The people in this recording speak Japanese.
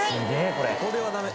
これはダメ。